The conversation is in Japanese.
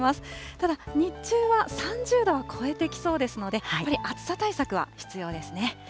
ただ、日中は３０度は超えてきそうですので、やはり暑さ対策は必要ですね。